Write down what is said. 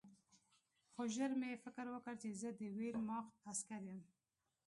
خو ژر مې فکر وکړ چې زه د ویرماخت عسکر یم